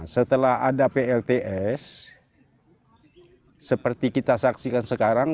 setelah ada plts seperti kita saksikan sekarang